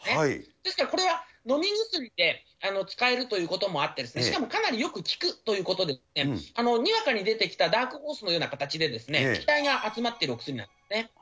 ですから、これは飲み薬で使えるということもあって、しかもかなりよく効くということで、にわかに出てきたダークホースのような形で、期待が集まってるお薬なんですね。